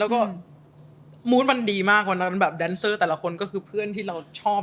แล้วก็มูธมันดีมากวันนั้นแบบแดนเซอร์แต่ละคนก็คือเพื่อนที่เราชอบ